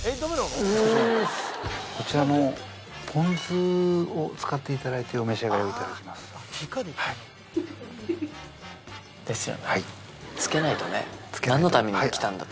こちらのポン酢を使っていただいてお召し上がりいただきます。